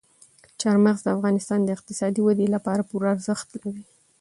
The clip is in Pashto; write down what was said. چار مغز د افغانستان د اقتصادي ودې لپاره پوره ارزښت لري.